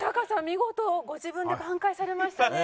見事ご自分で挽回されましたね。